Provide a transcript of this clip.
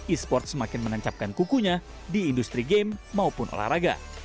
e sport semakin menancapkan kukunya di industri game maupun olahraga